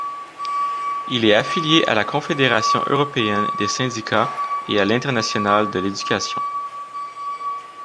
Il est affilié à la confédération européenne des syndicats et à l'Internationale de l’éducation.